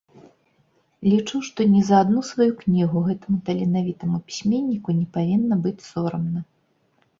Лічу, што ні за адну сваю кнігу гэтаму таленавітаму пісьменніку не павінна быць сорамна.